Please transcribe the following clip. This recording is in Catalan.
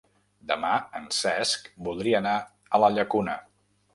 Demà en Cesc voldria anar a la Llacuna.